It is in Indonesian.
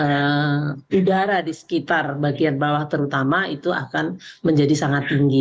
sehingga udara di sekitar bagian bawah terutama itu akan menjadi sangat tinggi